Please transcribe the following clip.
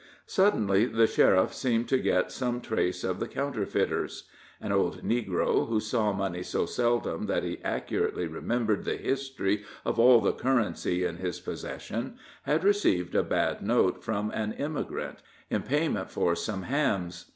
Suddenly the sheriff seemed to get some trace of the counterfeiters. An old negro, who saw money so seldom that he accurately remembered the history of all the currency in his possession, had received a bad note from an emigrant in payment for some hams.